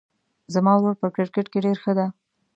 زما ورور په کرکټ کې ډېر ښه ده